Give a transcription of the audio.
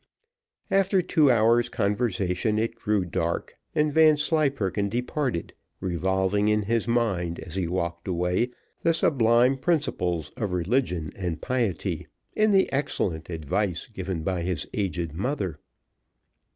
After two hours' conversation, it grew dark, and Vanslyperken departed, revolving in his mind, as he walked away, the sublime principles of religion and piety, in the excellent advice given by his aged mother.